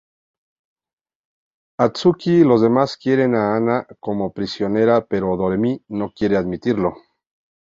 Akatsuki y los demás quieren a Hana como prisionera pero Doremi no quiere admitirlo.